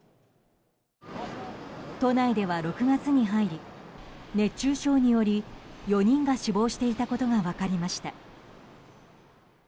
都内では６月に入り熱中症により４人が死亡していたことが分かりました。